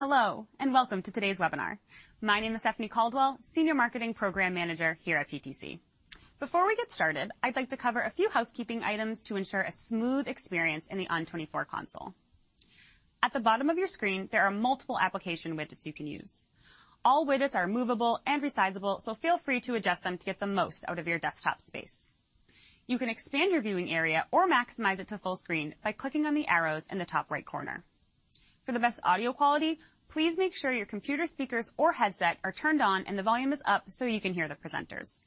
Hello, and welcome to today's webinar. My name is Stephanie Caldwell, Senior Marketing Program Manager here at PTC. Before we get started, I'd like to cover a few housekeeping items to ensure a smooth experience in the ON24 console. At the bottom of your screen, there are multiple application widgets you can use. All widgets are movable and resizable, so feel free to adjust them to get the most out of your desktop space. You can expand your viewing area or maximize it to full screen by clicking on the arrows in the top right corner. For the best audio quality, please make sure your computer speakers or headset are turned on and the volume is up so you can hear the presenters.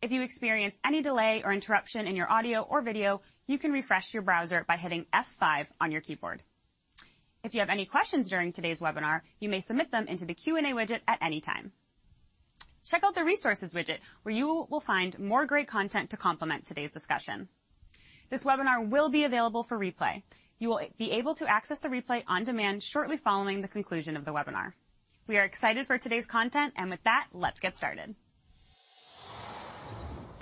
If you experience any delay or interruption in your audio or video, you can refresh your browser by hitting F5 on your keyboard. If you have any questions during today's webinar, you may submit them into the Q&A widget at any time. Check out the Resources widget, where you will find more great content to complement today's discussion. This webinar will be available for replay. You will be able to access the replay on demand shortly following the conclusion of the webinar. We are excited for today's content, and with that, let's get started.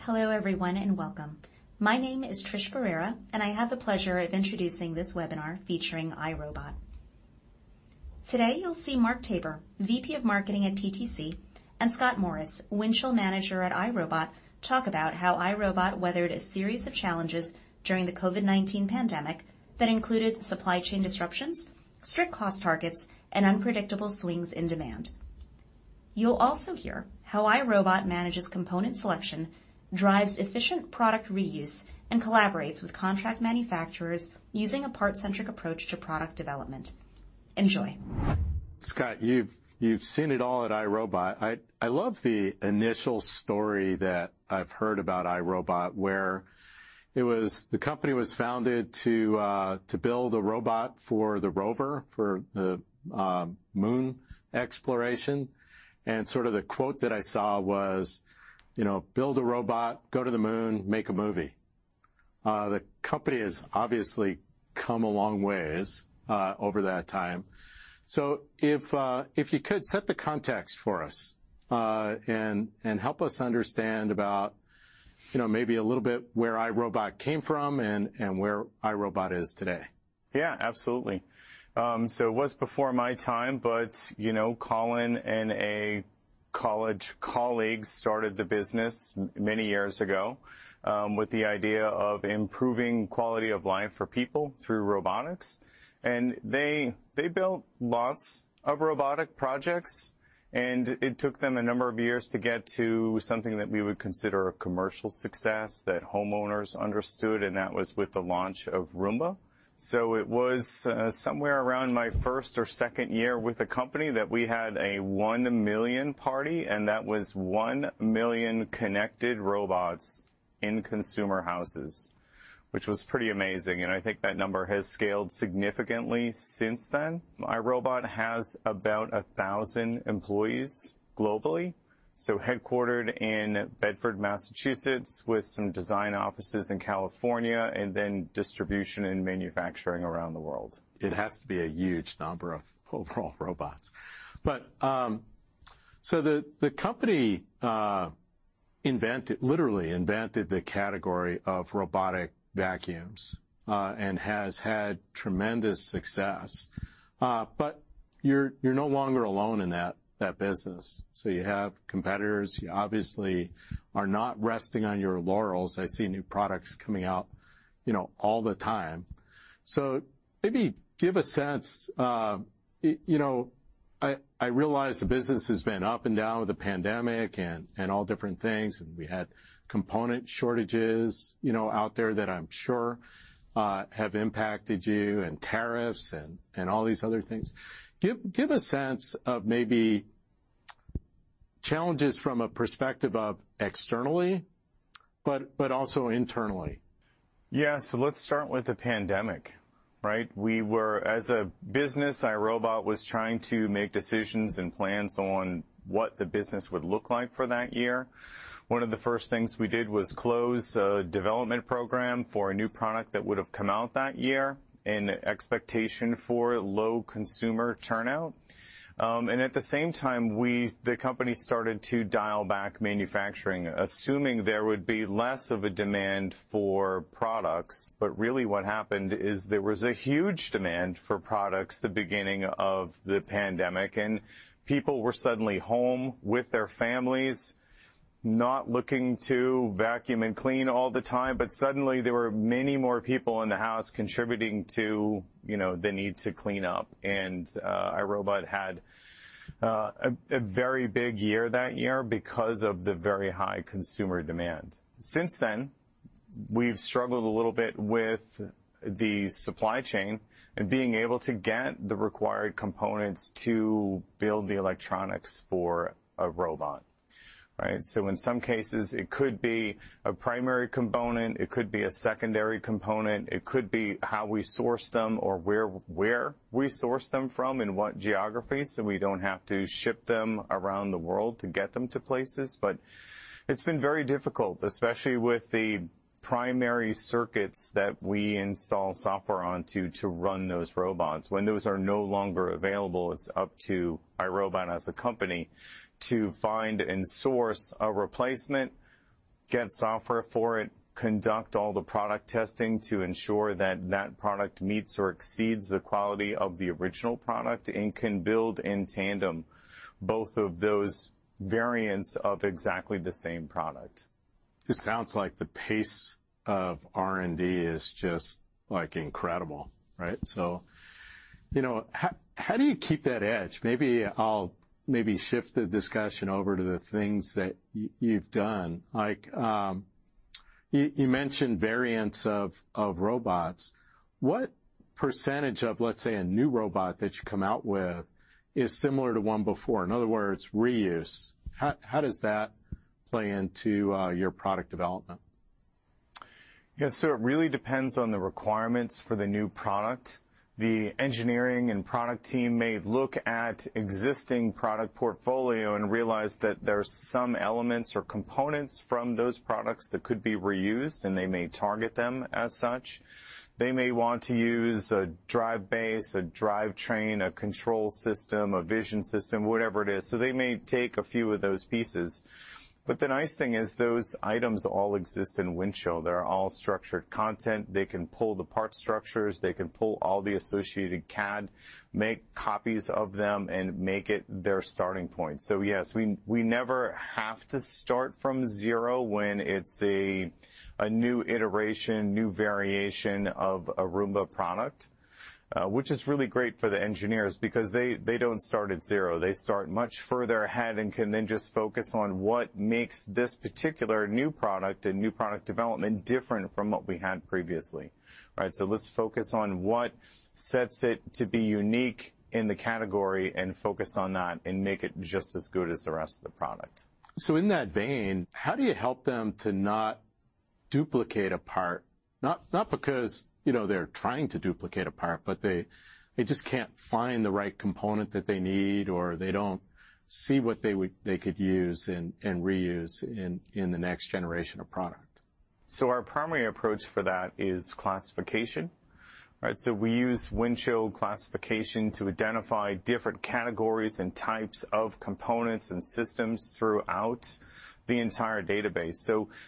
Hello everyone and welcome. My name is Trish Guerrera, and I have the pleasure of introducing this webinar featuring iRobot. Today you'll see Mark Taber, VP of Marketing at PTC, and Scott Morris, Windchill Manager at iRobot, talk about how iRobot weathered a series of challenges during the COVID-19 pandemic that included supply chain disruptions, strict cost targets, and unpredictable swings in demand. You'll also hear how iRobot manages component selection, drives efficient product reuse, and collaborates with contract manufacturers using a part-centric approach to product development. Enjoy. Scott, you've seen it all at iRobot. I love the initial story that I've heard about iRobot, where it was the company was founded to build a robot for the rover for the moon exploration. And sort of the quote that I saw was, you know, "Build a robot, go to the moon, make a movie." The company has obviously come a long way over that time. If you could set the context for us and help us understand about, you know, maybe a little bit where iRobot came from and where iRobot is today. Yeah, absolutely. It was before my time, but, you know, Colin and a college colleague started the business many years ago with the idea of improving quality of life for people through robotics. They built lots of robotic projects, and it took them a number of years to get to something that we would consider a commercial success that homeowners understood, and that was with the launch of Roomba. It was somewhere around my first or second year with the company that we had a one million party, and that was one million connected robots in consumer houses, which was pretty amazing. I think that number has scaled significantly since then. iRobot has about 1,000 employees globally, headquartered in Bedford, Massachusetts, with some design offices in California, and then distribution and manufacturing around the world. It has to be a huge number of overall robots. The company literally invented the category of robotic vacuums and has had tremendous success. You are no longer alone in that business. You have competitors. You obviously are not resting on your laurels. I see new products coming out, you know, all the time. Maybe give a sense, you know, I realize the business has been up and down with the pandemic and all different things, and we had component shortages, you know, out there that I am sure have impacted you and tariffs and all these other things. Give a sense of maybe challenges from a perspective of externally, but also internally. Yeah, so let's start with the pandemic, right? We were, as a business, iRobot was trying to make decisions and plans on what the business would look like for that year. One of the first things we did was close a development program for a new product that would have come out that year in expectation for low consumer turnout. At the same time, the company started to dial back manufacturing, assuming there would be less of a demand for products. Really what happened is there was a huge demand for products at the beginning of the pandemic, and people were suddenly home with their families, not looking to vacuum and clean all the time. Suddenly there were many more people in the house contributing to, you know, the need to clean up. iRobot had a very big year that year because of the very high consumer demand. Since then, we've struggled a little bit with the supply chain and being able to get the required components to build the electronics for iRobot, right? In some cases, it could be a primary component, it could be a secondary component, it could be how we source them or where we source them from and what geography, so we don't have to ship them around the world to get them to places. It's been very difficult, especially with the primary circuits that we install software onto to run those robots. When those are no longer available, it's up to iRobot as a company to find and source a replacement, get software for it, conduct all the product testing to ensure that that product meets or exceeds the quality of the original product and can build in tandem both of those variants of exactly the same product. It sounds like the pace of R&D is just like incredible, right? You know, how do you keep that edge? Maybe I'll maybe shift the discussion over to the things that you've done. Like you mentioned variants of robots. What percentage of, let's say, a new robot that you come out with is similar to one before? In other words, reuse. How does that play into your product development? Yeah, so it really depends on the requirements for the new product. The engineering and product team may look at existing product portfolio and realize that there are some elements or components from those products that could be reused, and they may target them as such. They may want to use a drive base, a drive train, a control system, a vision system, whatever it is. They may take a few of those pieces. The nice thing is those items all exist in Windchill. They're all structured content. They can pull the part structures. They can pull all the associated CAD, make copies of them, and make it their starting point. Yes, we never have to start from zero when it's a new iteration, new variation of a Roomba product, which is really great for the engineers because they don't start at zero. They start much further ahead and can then just focus on what makes this particular new product and new product development different from what we had previously, right? Let's focus on what sets it to be unique in the category and focus on that and make it just as good as the rest of the product. In that vein, how do you help them to not duplicate a part? Not because, you know, they're trying to duplicate a part, but they just can't find the right component that they need or they don't see what they could use and reuse in the next generation of product. Our primary approach for that is classification, right? We use Windchill classification to identify different categories and types of components and systems throughout the entire database.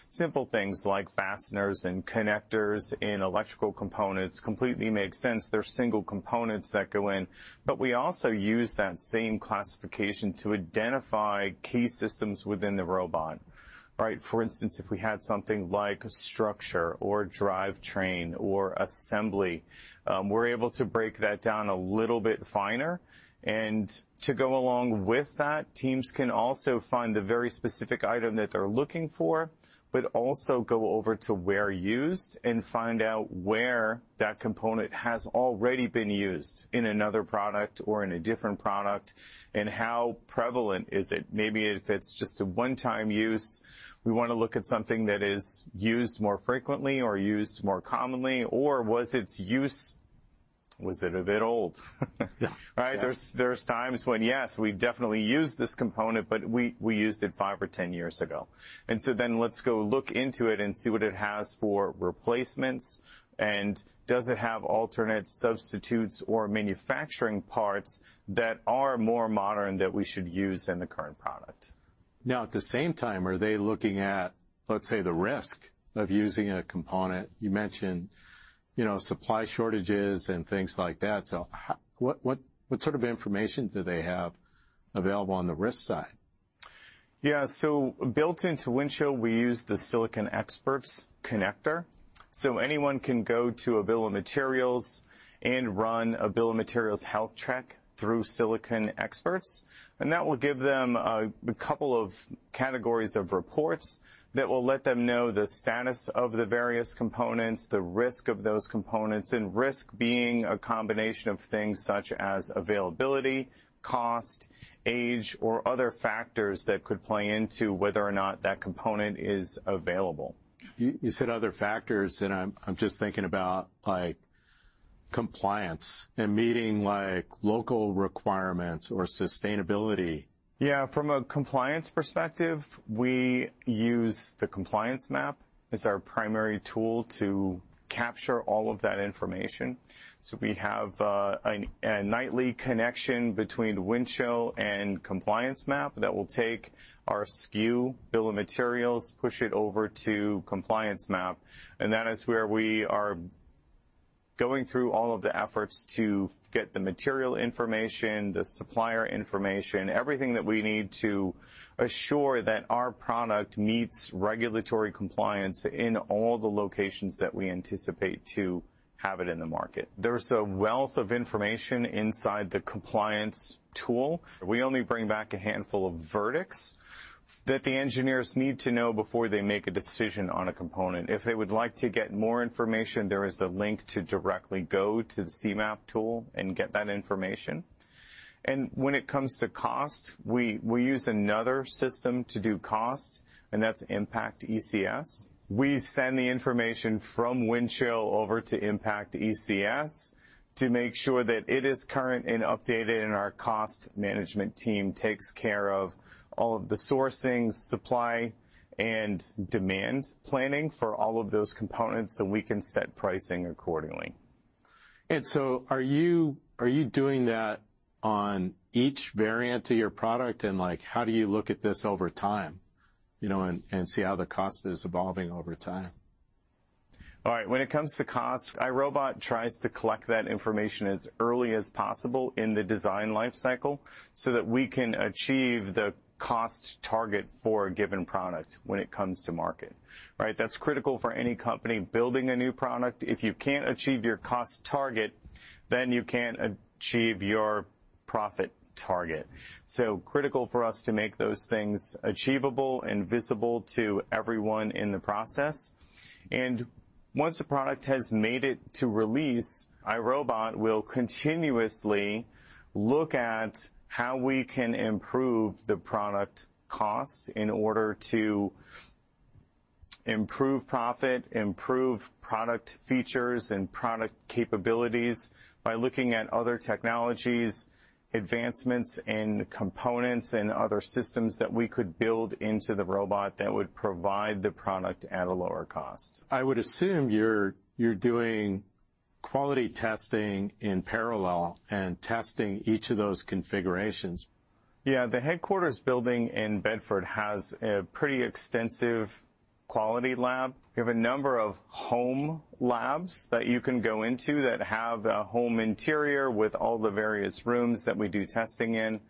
Simple things like fasteners and connectors in electrical components completely make sense. They are single components that go in. We also use that same classification to identify key systems within the robot, right? For instance, if we had something like a structure or a drive train or assembly, we are able to break that down a little bit finer. To go along with that, teams can also find the very specific item that they are looking for, but also go over to where used and find out where that component has already been used in another product or in a different product and how prevalent it is. Maybe if it's just a one-time use, we want to look at something that is used more frequently or used more commonly, or was its use, was it a bit old? Right? There are times when, yes, we definitely use this component, but we used it five or 10 years ago. Let's go look into it and see what it has for replacements and does it have alternate substitutes or manufacturing parts that are more modern that we should use in the current product. Now, at the same time, are they looking at, let's say, the risk of using a component? You mentioned, you know, supply shortages and things like that. What sort of information do they have available on the risk side? Yeah, so built into Windchill, we use the SiliconExpert's connector. So anyone can go to Bill of Materials and run Bill of Materials health check through SiliconExpert. And that will give them a couple of categories of reports that will let them know the status of the various components, the risk of those components, and risk being a combination of things such as availability, cost, age, or other factors that could play into whether or not that component is available. You said other factors, and I'm just thinking about like compliance and meeting like local requirements or sustainability. Yeah, from a compliance perspective, we use the Compliance Map as our primary tool to capture all of that information. We have a nightly connection between Windchill and Compliance Map that will take our SKU, Bill of Materials, push it over to Compliance Map. That is where we are going through all of the efforts to get the material information, the supplier information, everything that we need to assure that our product meets regulatory compliance in all the locations that we anticipate to have it in the market. There's a wealth of information inside the compliance tool. We only bring back a handful of verdicts that the engineers need to know before they make a decision on a component. If they would like to get more information, there is a link to directly go to the C-Map tool and get that information. When it comes to cost, we use another system to do cost, and that's ImpactECS. We send the information from Windchill over to ImpactECS to make sure that it is current and updated, and our cost management team takes care of all of the sourcing, supply, and demand planning for all of those components so we can set pricing accordingly. Are you doing that on each variant of your product? And like, how do you look at this over time, you know, and see how the cost is evolving over time? All right, when it comes to cost, iRobot tries to collect that information as early as possible in the design life cycle so that we can achieve the cost target for a given product when it comes to market, right? That's critical for any company building a new product. If you can't achieve your cost target, then you can't achieve your profit target. It is critical for us to make those things achievable and visible to everyone in the process. Once a product has made it to release, iRobot will continuously look at how we can improve the product cost in order to improve profit, improve product features, and product capabilities by looking at other technologies, advancements in components, and other systems that we could build into the robot that would provide the product at a lower cost. I would assume you're doing quality testing in parallel and testing each of those configurations. Yeah, the headquarters building in Bedford has a pretty extensive quality lab. We have a number of home labs that you can go into that have a home interior with all the various rooms that we do testing in.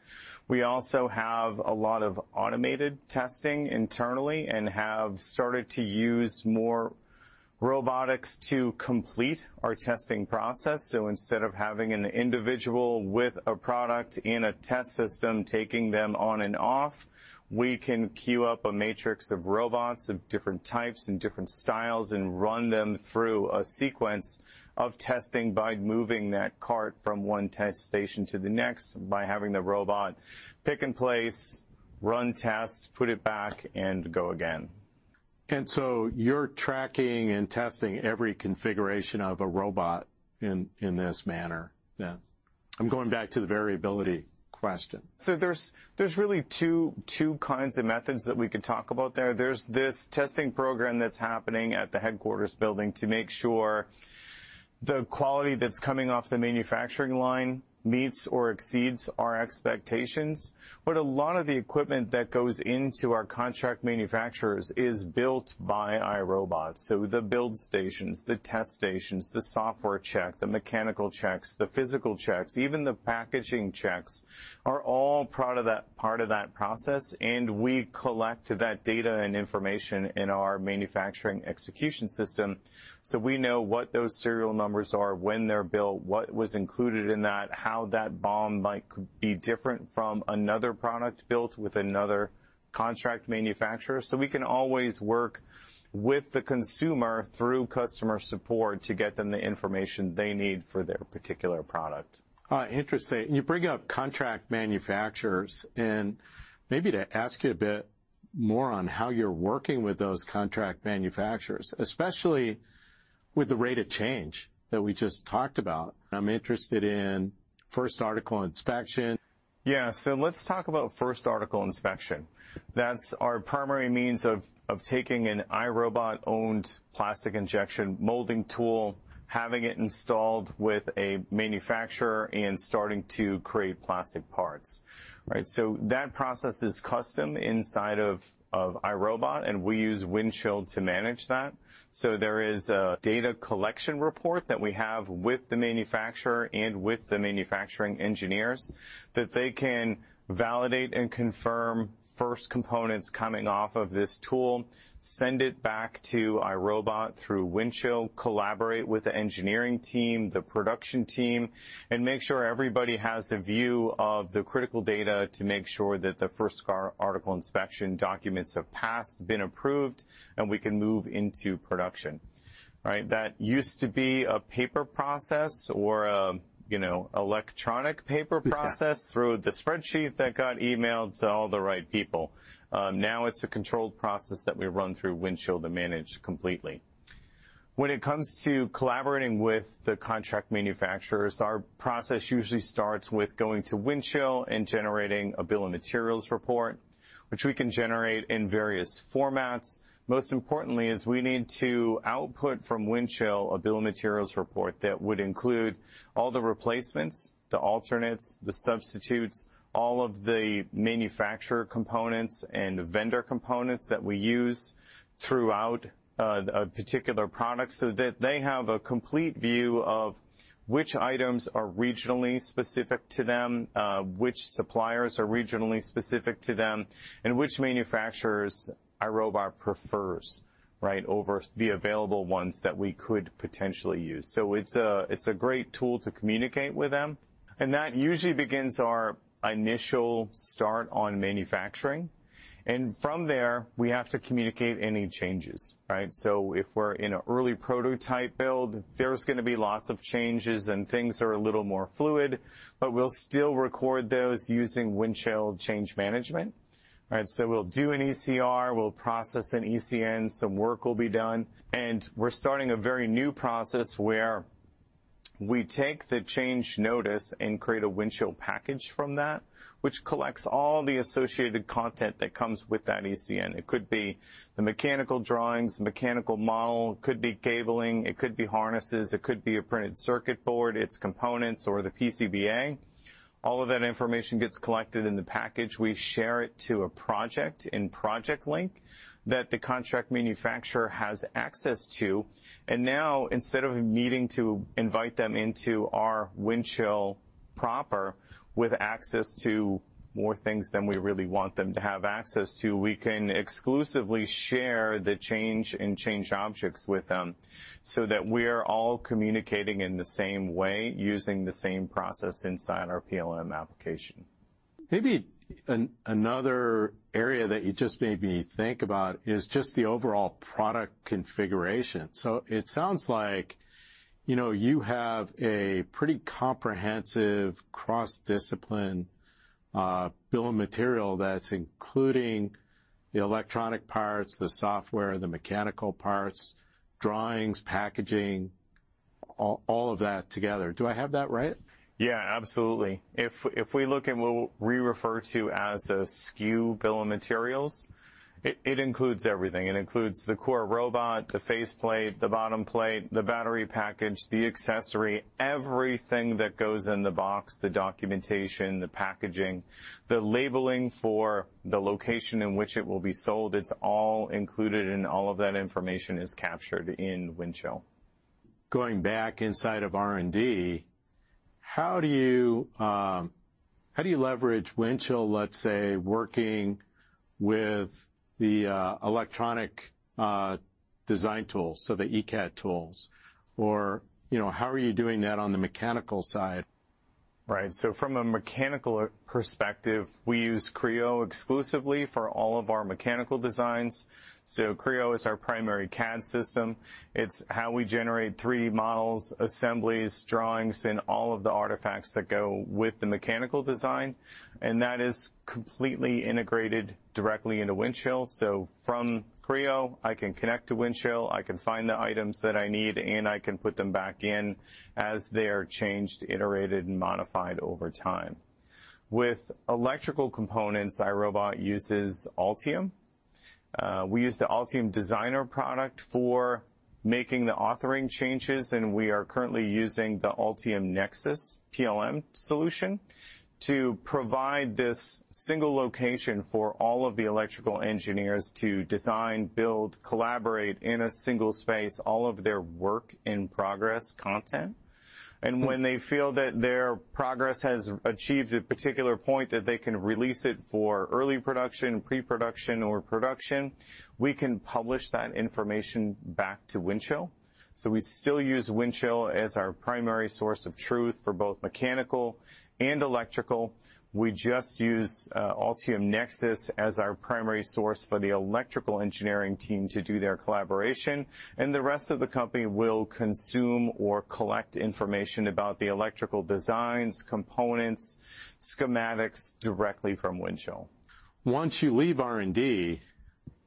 We also have a lot of automated testing internally and have started to use more robotics to complete our testing process. Instead of having an individual with a product in a test system taking them on and off, we can queue up a matrix of robots of different types and different styles and run them through a sequence of testing by moving that cart from one test station to the next, by having the robot pick and place, run test, put it back, and go again. You are tracking and testing every configuration of a robot in this manner. Yeah, I'm going back to the variability question. There are really two kinds of methods that we could talk about there. There is this testing program that is happening at the headquarters building to make sure the quality that is coming off the manufacturing line meets or exceeds our expectations. A lot of the equipment that goes into our contract manufacturers is built by iRobot. The build stations, the test stations, the software check, the mechanical checks, the physical checks, even the packaging checks are all part of that process. We collect that data and information in our manufacturing execution system so we know what those serial numbers are, when they are built, what was included in that, how that BOM might be different from another product built with another contract manufacturer. We can always work with the consumer through customer support to get them the information they need for their particular product. Interesting. You bring up contract manufacturers, and maybe to ask you a bit more on how you're working with those contract manufacturers, especially with the rate of change that we just talked about. I'm interested in first article inspection. Yeah, so let's talk about first article inspection. That's our primary means of taking an iRobot-owned plastic injection molding tool, having it installed with a manufacturer, and starting to create plastic parts, right? That process is custom inside of iRobot, and we use Windchill to manage that. There is a data collection report that we have with the manufacturer and with the manufacturing engineers that they can validate and confirm first components coming off of this tool, send it back to iRobot through Windchill, collaborate with the engineering team, the production team, and make sure everybody has a view of the critical data to make sure that the first article inspection documents have passed, been approved, and we can move into production, right? That used to be a paper process or an electronic paper process through the spreadsheet that got emailed to all the right people. Now it's a controlled process that we run through Windchill to manage completely. When it comes to collaborating with the contract manufacturers, our process usually starts with going to Windchill and generating a bill of materials report, which we can generate in various formats. Most importantly, we need to output from Windchill a bill of materials report that would include all the replacements, the alternates, the substitutes, all of the manufacturer components and vendor components that we use throughout a particular product so that they have a complete view of which items are regionally specific to them, which suppliers are regionally specific to them, and which manufacturers iRobot prefers, right, over the available ones that we could potentially use. It is a great tool to communicate with them. That usually begins our initial start on manufacturing. From there, we have to communicate any changes, right? If we're in an early prototype build, there's going to be lots of changes and things are a little more fluid, but we'll still record those using Windchill change management, right? We'll do an ECR, we'll process an ECN, some work will be done. We're starting a very new process where we take the change notice and create a Windchill package from that, which collects all the associated content that comes with that ECN. It could be the mechanical drawings, mechanical model, it could be cabling, it could be harnesses, it could be a printed circuit board, its components, or the PCBA. All of that information gets collected in the package. We share it to a project in ProjectLink that the contract manufacturer has access to. Now, instead of needing to invite them into our Windchill proper with access to more things than we really want them to have access to, we can exclusively share the change and change objects with them so that we're all communicating in the same way using the same process inside our PLM application. Maybe another area that you just made me think about is just the overall product configuration. It sounds like, you know, you have a pretty comprehensive cross-discipline bill of material that's including the electronic parts, the software, the mechanical parts, drawings, packaging, all of that together. Do I have that right? Yeah, absolutely. If we look at what we refer to as a SKU bill of materials, it includes everything. It includes the core robot, the face plate, the bottom plate, the battery package, the accessory, everything that goes in the box, the documentation, the packaging, the labeling for the location in which it will be sold. It's all included and all of that information is captured in Windchill. Going back inside of R&D, how do you leverage Windchill, let's say, working with the electronic design tools, so the ECAD tools, or, you know, how are you doing that on the mechanical side? Right, so from a mechanical perspective, we use Creo exclusively for all of our mechanical designs. Creo is our primary CAD system. It's how we generate 3D models, assemblies, drawings, and all of the artifacts that go with the mechanical design. That is completely integrated directly into Windchill. From Creo, I can connect to Windchill, I can find the items that I need, and I can put them back in as they are changed, iterated, and modified over time. With electrical components, iRobot uses Altium. We use the Altium Designer product for making the authoring changes, and we are currently using the Altium Nexus PLM solution to provide this single location for all of the electrical engineers to design, build, collaborate in a single space all of their work in progress content. When they feel that their progress has achieved a particular point that they can release it for early production, pre-production, or production, we can publish that information back to Windchill. We still use Windchill as our primary source of truth for both mechanical and electrical. We just use Altium NEXUS as our primary source for the electrical engineering team to do their collaboration. The rest of the company will consume or collect information about the electrical designs, components, schematics directly from Windchill. Once you leave R&D,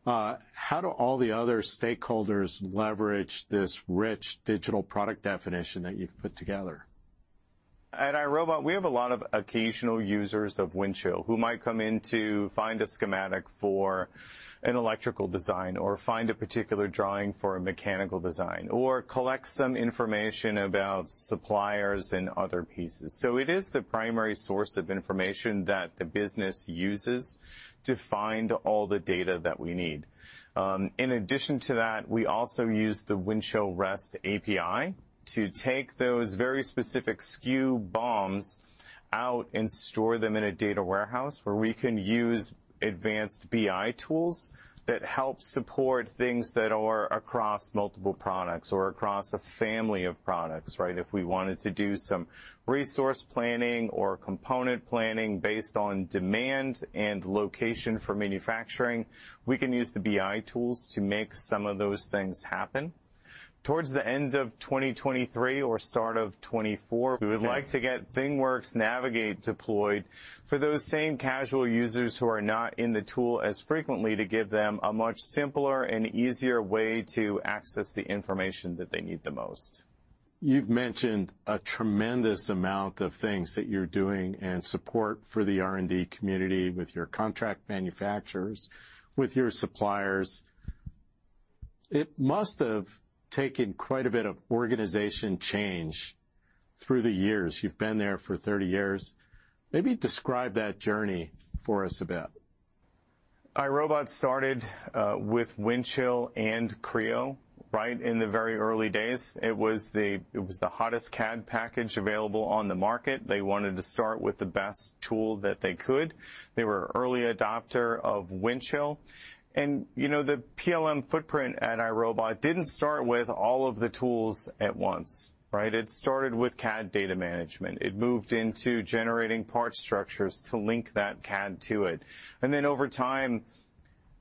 how do all the other stakeholders leverage this rich digital product definition that you've put together? At iRobot, we have a lot of occasional users of Windchill who might come in to find a schematic for an electrical design or find a particular drawing for a mechanical design or collect some information about suppliers and other pieces. It is the primary source of information that the business uses to find all the data that we need. In addition to that, we also use the Windchill REST API to take those very specific SKU BOMs out and store them in a data warehouse where we can use advanced BI tools that help support things that are across multiple products or across a family of products, right? If we wanted to do some resource planning or component planning based on demand and location for manufacturing, we can use the BI tools to make some of those things happen. Towards the end of 2023 or start of 2024, we would like to get ThingWorx Navigate deployed for those same casual users who are not in the tool as frequently to give them a much simpler and easier way to access the information that they need the most. You've mentioned a tremendous amount of things that you're doing and support for the R&D community with your contract manufacturers, with your suppliers. It must have taken quite a bit of organization change through the years. You've been there for 30 years. Maybe describe that journey for us a bit. iRobot started with Windchill and Creo right in the very early days. It was the hottest CAD package available on the market. They wanted to start with the best tool that they could. They were an early adopter of Windchill. You know, the PLM footprint at iRobot didn't start with all of the tools at once, right? It started with CAD data management. It moved into generating part structures to link that CAD to it. Over time,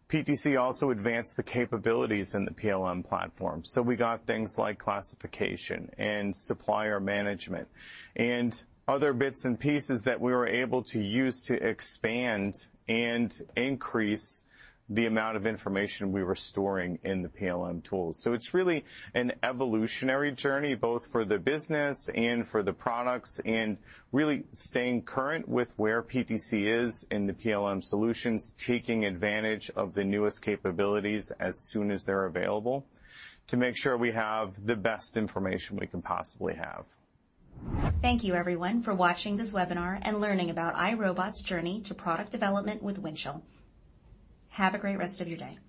PTC also advanced the capabilities in the PLM platform. We got things like classification and supplier management and other bits and pieces that we were able to use to expand and increase the amount of information we were storing in the PLM tools. It is really an evolutionary journey both for the business and for the products and really staying current with where PTC is in the PLM solutions, taking advantage of the newest capabilities as soon as they're available to make sure we have the best information we can possibly have. Thank you, everyone, for watching this webinar and learning about iRobot's journey to product development with Windchill. Have a great rest of your day.